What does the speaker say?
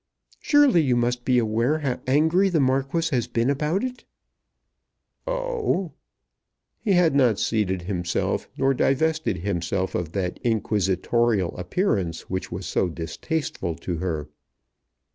"Surely you must be aware how angry the Marquis has been about it." "Oh!" He had not seated himself, nor divested himself of that inquisitorial appearance which was so distasteful to her.